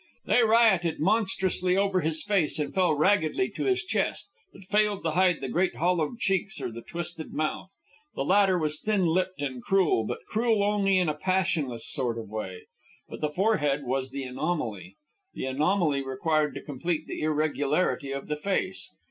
They rioted monstrously over his face and fell raggedly to his chest, but failed to hide the great hollowed cheeks or the twisted mouth. The latter was thin lipped and cruel, but cruel only in a passionless sort of way. But the forehead was the anomaly, the anomaly required to complete the irregularity of the face.